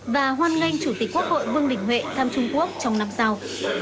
và hoan nghênh chủ tịch quốc hội vương đình huệ thăm trung quốc trong năm sau